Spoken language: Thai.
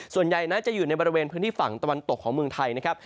ส่วนใหญ่นั้นจะอยู่ในบริเวณพื้นที่ฝั่งตะวันตกของเมืองไทยนะครับ